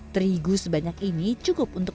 terigu sebanyak ini cukup untuk